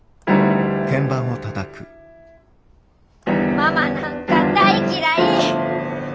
ママなんか大嫌い！